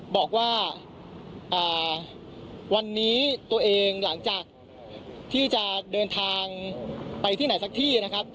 บอกว่าวันนี้ตัวเองหลังจากที่จะเดินทางไปที่ไหนสักที่นะครับ